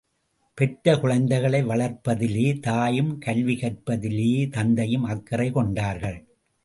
பெற்றக் குழந்தைகளை வளர்ப்பதிலே தாயும், கல்வி கற்பிப்பதிலே தந்தையும் அக்கறை கொண்டார்கள்.